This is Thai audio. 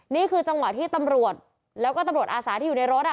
นี่คือจังหวะที่ตำรวจแล้วก็ตำรวจอาสาที่อยู่ในรถ